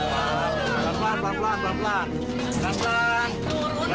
pelan pelan pelan pelan pelan pelan